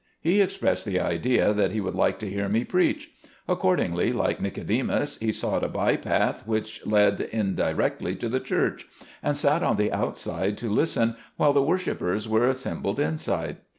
He expressed the idea that he would like to hear me preach ; accordingly, like Nicodemus, he sought a by path which led indi rectly to the church, and sat on the outside to listen while the worshipers were assembled inside.